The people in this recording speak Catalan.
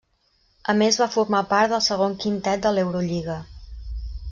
A més va formar part del segon quintet de l'Eurolliga.